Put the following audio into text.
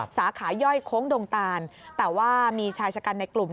สายขาย่อยโค้งดงตานแต่ว่ามีชายชะกันในกลุ่ม